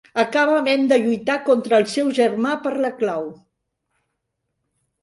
Acaba havent de lluitar contra el seu germà per la clau.